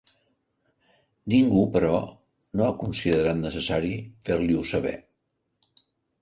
Ningú, però, no ha considerat necessari fer-li-ho saber.